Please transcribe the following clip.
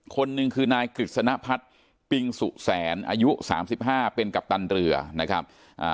คนหนึ่งคือนายกฤษณพัฒน์ปิงสุแสนอายุสามสิบห้าเป็นกัปตันเรือนะครับอ่า